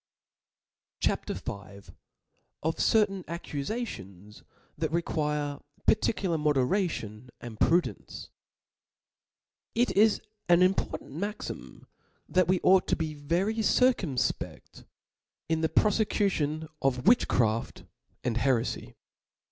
CHAP. V. Of certain Accufations that require particular Moderation and Prudence^ T T is an important maxima that we ought to '*• be very circumfpeft in the profecution of witchcraft and herefy.